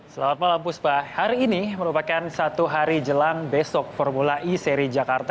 selamat malam puspa hari ini merupakan satu hari jelang besok formula e seri jakarta